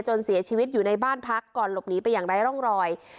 เสียชีวิตอยู่ในบ้านพักก่อนหลบหนีไปอย่างไร้ร่องรอย